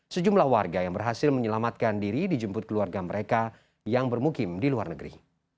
sejumlah warga yang berhasil menyelamatkan diri dijemput keluarga mereka yang bermukim di luar negeri